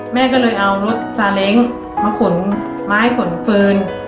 แม่ก็เลยเอารถซาเล้งมาขนไม้ขนเฟิร์น